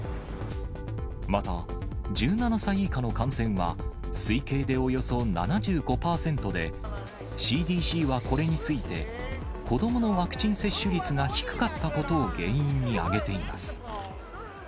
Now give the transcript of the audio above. また、１７歳以下の感染は、推計でおよそ７５％で、ＣＤＣはこれについて、子どものワクチン接種率が低かったことを原因に挙げています。